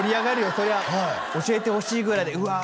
そりゃ教えてほしいぐらいでうわあ